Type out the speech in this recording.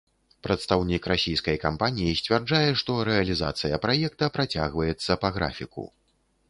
Прадстаўнік расійскай кампаніі сцвярджае, што рэалізацыя праекта працягваецца па графіку.